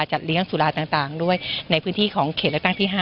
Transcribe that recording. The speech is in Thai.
จัดเลี้ยงสุราต่างด้วยในพื้นที่ของเขตเลือกตั้งที่๕